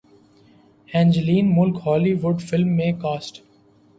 Angeline Malik Hollywood film میں cost